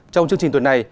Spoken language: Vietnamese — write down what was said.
trong chương trình tuần này